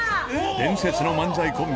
伝説の漫才コンビ